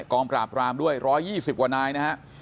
กองปราบรามด้วย๑๒๐กว่านายนะฮะ